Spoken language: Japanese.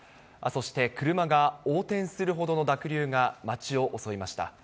そして車が横転するほどの濁流が町を襲いました。